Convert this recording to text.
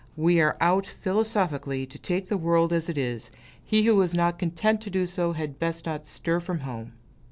We are out, philosophically to take the world as it is; he who is not content to do so, had best not stir from home.